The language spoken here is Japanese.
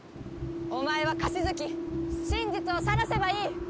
お前はかしずき真実をさらせばいい！